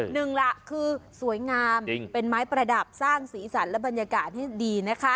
หนึ่งล่ะคือสวยงามเป็นไม้ประดับสร้างสีสันและบรรยากาศให้ดีนะคะ